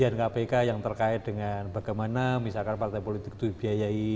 jadi itu adalah kajian kpk yang terkait dengan bagaimana misalkan partai politik itu dibiayai